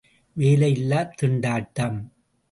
வேலை இல்லாத் திண்டாட்டம்.